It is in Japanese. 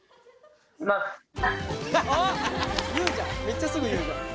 めっちゃすぐ言うじゃん。